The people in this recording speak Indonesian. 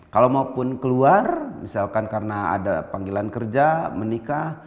kalau maupun keluar misalkan karena ada panggilan kerja menikah